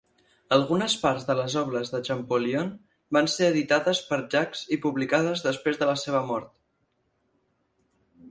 Algunes parts de les obres de Champollion van ser editades per Jacques i publicades després de la seva mort.